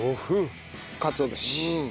かつお節。